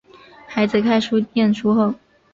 孩子开始念书后